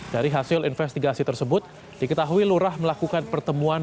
dari hasil investigasi tersebut diketahui lurah melakukan pertemuan